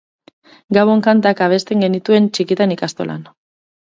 Gabon kantak abesten genituen txikitan ikastolan.